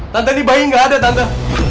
tante di bayi gak ada tante